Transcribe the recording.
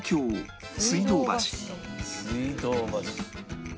水道橋。